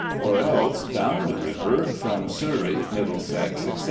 or else down the river from Surrey, Middlesex, etc."